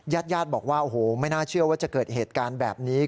ญาติญาติบอกว่าโอ้โหไม่น่าเชื่อว่าจะเกิดเหตุการณ์แบบนี้